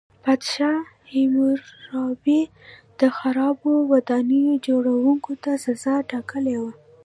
پادشاه هیمورابي د خرابو ودانیو جوړوونکو ته سزا ټاکلې وه.